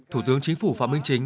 thủ tướng chính phủ phạm minh chính